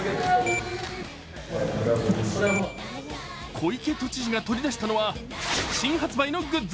小池都知事が取り出したのは新発売のグッズ。